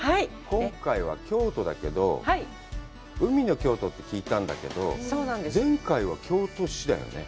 今回は京都だけど、海の京都って聞いたんだけど、前回は京都市だよね？